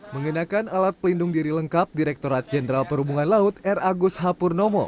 mengenakan alat pelindung diri lengkap direkturat jenderal perhubungan laut r agus hapurnomo